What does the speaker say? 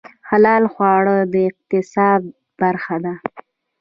حلال خواړه د اقتصاد برخه ده